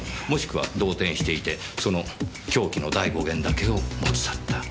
もしくは動転していてその凶器の第５弦だけを持ち去った。